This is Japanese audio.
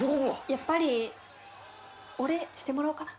やっぱりお礼してもらおうかな。